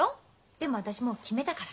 でも私もう決めたから。